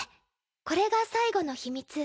これが最後の秘密。